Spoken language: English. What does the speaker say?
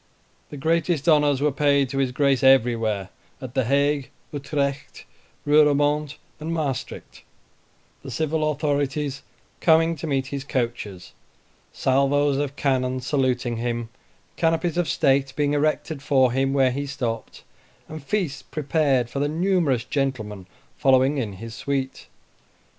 The greatest honors were paid to his Grace everywhere at the Hague, Utrecht, Ruremonde, and Maestricht; the civil authorities coming to meet his coaches: salvos of cannon saluting him, canopies of state being erected for him where he stopped, and feasts prepared for the numerous gentlemen following in his suite.